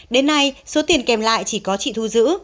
đến nay số tiền kèm lại chỉ có chị thu giữ